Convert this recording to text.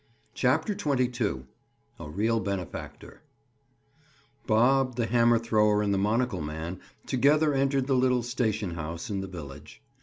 CHAPTER XXII—A REAL BENEFACTOR Bob, the hammer thrower and the monocle man together entered the little station house in the village.